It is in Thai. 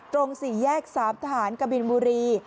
ตรงศรี่แยก๑๘๐๐ธบกะบิลบุรี